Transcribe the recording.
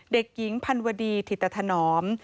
เด็กหญิงพันวดีถิตธนอม